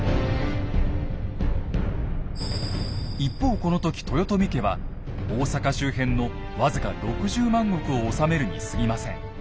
一方この時豊臣家は大坂周辺の僅か６０万石を治めるにすぎません。